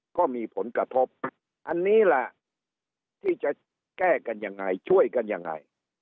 อันนี้แหละที่จะแก้กันยังไงช่วยกันยังไง